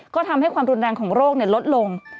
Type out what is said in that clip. ก็ทำให้ความรุนแรงของโรคลดลง